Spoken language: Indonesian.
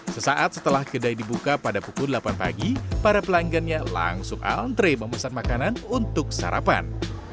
sesaat setelah kedai dibuka pada pukul delapan pagi para pelanggannya langsung antre memesan makanan untuk sarapan